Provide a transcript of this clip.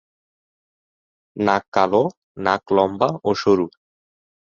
নাক কালো, নাক লম্বা ও সরু।